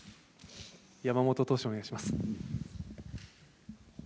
山本投手、お願いします。